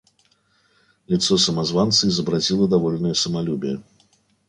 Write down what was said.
Лицо самозванца изобразило довольное самолюбие.